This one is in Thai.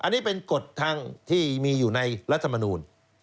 อันนี้เป็นกฎทางที่มีอยู่ในรัฐมนูล